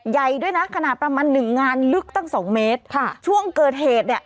ใยด้วยนะขนาดประมาณ๑งานลึกตั้ง๒เมตรช่วงเกิดเหตุเนี่ย